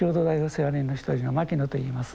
世話人の一人の牧野と言います。